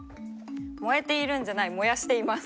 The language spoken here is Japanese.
「もえているんじゃないもやしています」。